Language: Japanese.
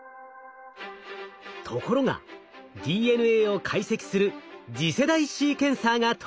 ところがＤＮＡを解析する次世代シーケンサーが登場。